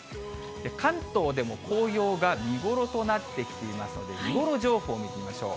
関東でも紅葉が見頃となってきていますので、見頃情報を見てみましょう。